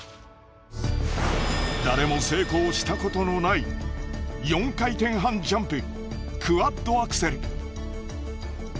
誰も成功したことのない４回転半ジャンプクワッドアクセル。